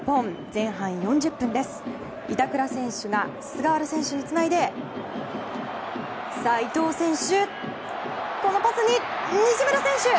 前半４０分、板倉選手が菅原選手につないで伊東選手このパスに西村選手！